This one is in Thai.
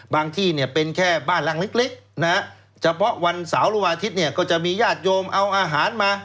ที่เนี่ยเป็นแค่บ้านหลังเล็กนะฮะเฉพาะวันเสาร์หรือวันอาทิตย์เนี่ยก็จะมีญาติโยมเอาอาหารมา